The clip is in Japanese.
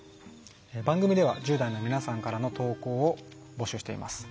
番組では１０代の皆さんからの投稿を募集しています。